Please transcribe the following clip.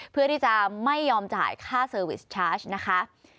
เพื่อที่จะไม่ยอมจ่ายค่าเซอร์วิสชาร์จนะคะ